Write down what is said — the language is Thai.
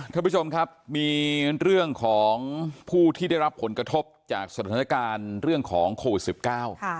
ท่านผู้ชมครับมีเรื่องของผู้ที่ได้รับผลกระทบจากสถานการณ์เรื่องของโควิดสิบเก้าค่ะ